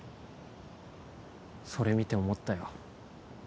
それ見て思ったよ